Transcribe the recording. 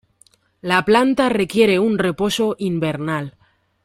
La planta requiere un reposo invernal.